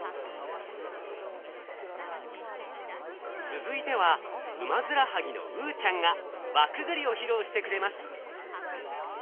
続いてはウマヅラハギのウーちゃんが輪くぐりを披露してくれます。